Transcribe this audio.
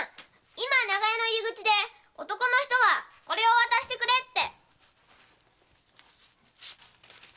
今長屋の入り口で男の人がこれを渡してくれって。